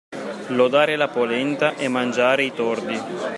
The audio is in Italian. Lodare la polenta e mangiare i tordi.